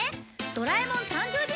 『ドラえもん』誕生日